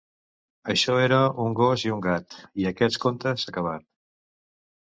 Això era un gos i un gat, i aquest conte s'ha acabat.